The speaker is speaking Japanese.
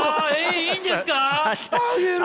いいんですか？